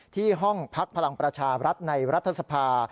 ที่ห้องพักพลังประชารัฐในรัฐสภา